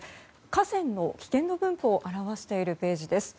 河川の危険度分布を表しているページです。